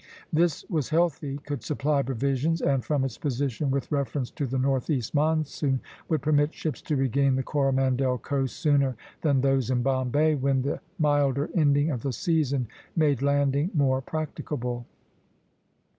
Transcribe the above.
This was healthy, could supply provisions, and, from its position with reference to the northeast monsoon, would permit ships to regain the Coromandel coast sooner than those in Bombay, when the milder ending of the season made landing more practicable.